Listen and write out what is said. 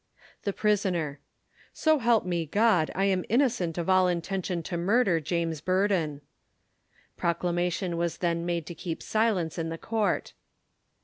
The Prisoner: So help me God I am innocent of all intention to murder James Burdon. Proclamation was then made to keep silence in the court.